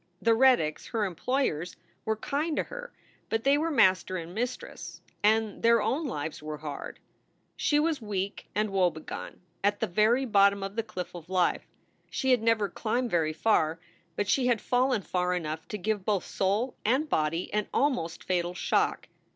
The Reddicks, her employers, were kind to her, but they were master and mistress, and their own lives were hard. She was weak and woebegone, at the bottom of the cliff of life. She had never climbed very far, but she had fallen far enough to give both soul and body an almost fatal shock.